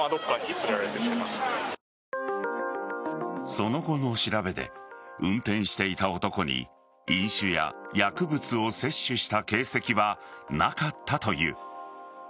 その後の調べで運転していた男に飲酒や薬物を摂取した形跡はなかったという。